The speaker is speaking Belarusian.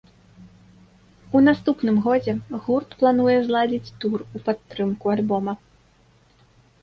У наступным годзе гурт плануе зладзіць тур у падтрымку альбома.